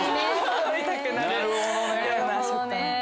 飲みたくなるような食感。